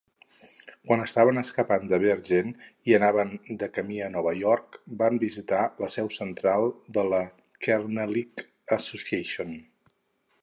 Quan estaven escapant de Bergen i anaven de camí a Nova York, van visitar la seu central de la Kernelight Association.